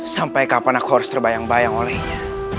sampai kapan aku harus terbayang bayang olehnya